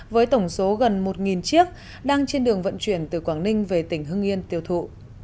với tổng số gần một chiếc đang trên đường vận chuyển từ quảng ninh về tỉnh hưng yên tiêu thụ